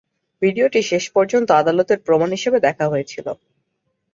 ভিডিওটি শেষ পর্যন্ত আদালতের প্রমাণ হিসাবে দেখা হয়েছিল।